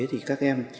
thì các em